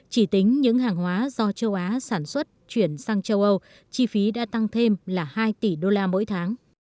chỉ tính những hàng hóa do châu á sản xuất chuyển sang châu âu chi phí đã tăng thêm là hai tỷ đô la mỗi tháng